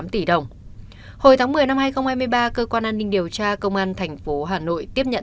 ba trăm ba mươi tám tỷ đồng hồi tháng một mươi năm hai nghìn hai mươi ba cơ quan an ninh điều tra công an thành phố hà nội tiếp nhận